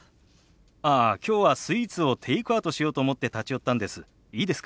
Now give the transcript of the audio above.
ああきょうはスイーツをテイクアウトしようと思って立ち寄ったんです。